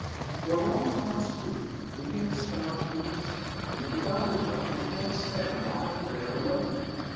For a long time I stood, looking at the stars and the mist, and little by little I came to under stand why I was there alone.